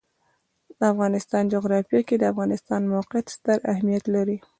د افغانستان جغرافیه کې د افغانستان د موقعیت ستر اهمیت لري.